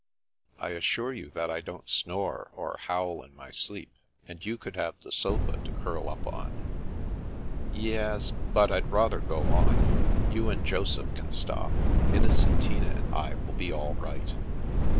" I assure you that I don't snore or howl in my sleep. And you could have the sofa to curl up on." " Ye es ; but Fd rather go on. You and Joseph can stop. Innocentina and I will be all right."